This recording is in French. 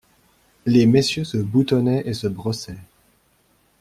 Les messieurs se boutonnaient et se brossaient.